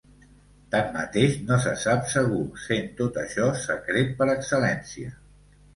Tanmateix, no se sap segur, sent tot això secret per excel·lència.